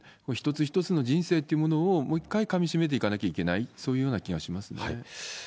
お一つお一つの人生っていうものをもう一回かみしめていかなきゃいけない、そういうような気がしますね。